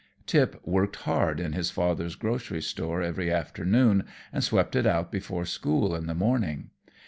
Tip worked hard in his father's grocery store every afternoon, and swept it out before school in the morning.